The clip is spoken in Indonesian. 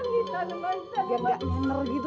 aduh ini gimana masa ayu diketahui sama sama aku